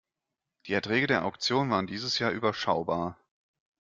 Die Erträge der Auktion waren dieses Jahr überschaubar.